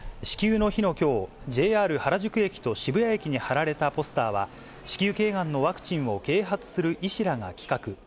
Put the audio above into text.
子宮の日のきょう、ＪＲ原宿駅と渋谷駅に貼られたポスターは、子宮けいがんのワクチンを啓発する医師らが企画。